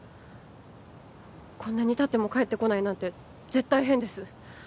こんなにたっても帰ってこないなんて絶対変です